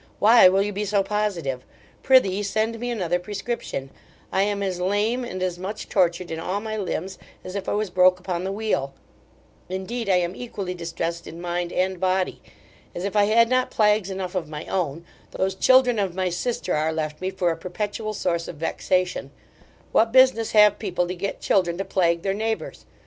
Why will you be so positive? Prithee send me another prescription I am as lame and as much tortured in all my limbs as if I was broke upon the wheel: indeed, I am equally distressed in mind and body As if I had not plagues enough of my own, those children of my sister are left me for a perpetual source of vexation what business have people to get children to plague their neighbours?